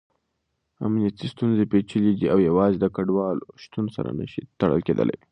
امنیتي ستونزې پېچلې دي او يوازې د کډوالو شتون سره نه شي تړل کېدای.